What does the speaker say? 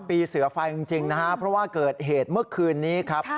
ปีเสือไฟจริงนะฮะเพราะว่าเกิดเหตุเมื่อคืนนี้ครับ